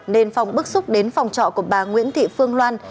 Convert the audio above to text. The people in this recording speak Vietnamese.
nên phong bức xúc đến phòng trọ của bà nguyễn thị phương loan